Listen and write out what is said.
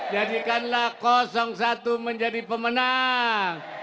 jadikanlah satu menjadi pemenang